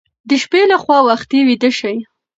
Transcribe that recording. د شپې لخوا وختي ویده شئ.